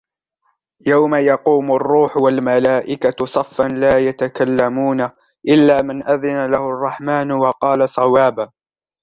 يوم يقوم الروح والملائكة صفا لا يتكلمون إلا من أذن له الرحمن وقال صوابا